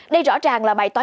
đây rõ ràng là bài toán